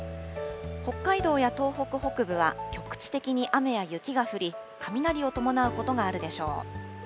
北海道や東北北部は局地的に雨や雪が降り、雷を伴うことがあるでしょう。